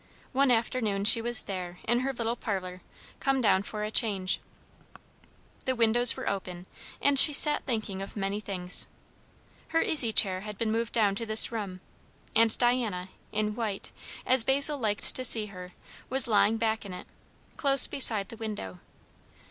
One afternoon she was there, in her little parlour, come down for a change. The windows were open, and she sat thinking of many things. Her easy chair had been moved down to this room; and Diana, in white, as Basil liked to see her, was lying back in it, close beside the window.